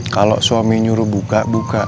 kalau suami nyuruh buka buka